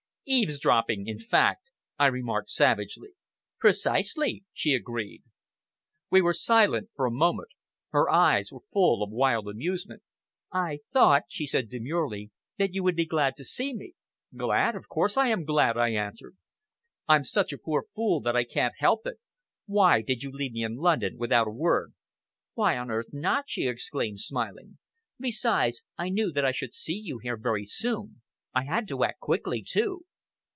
"Eavesdropping, in fact," I remarked savagely. "Precisely!" she agreed. We were silent for a moment. Her eyes were full of mild amusement. "I thought," she said demurely, "that you would be glad to see me." "Glad! of course I am glad," I answered. "I'm such a poor fool that I can't help it. Why did you leave me in London without a word?" "Why on earth not!" she exclaimed, smiling. "Besides, I knew that I should see you here very soon. I had to act quickly too!